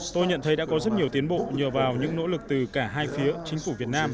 tôi nhận thấy đã có rất nhiều tiến bộ nhờ vào những nỗ lực từ cả hai phía chính phủ việt nam